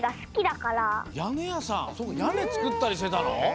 やねつくったりしてたの？